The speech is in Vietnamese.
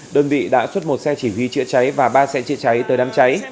đơn vị đã xuất một xe chỉ huy chữa cháy và ba xe chữa cháy tới đám cháy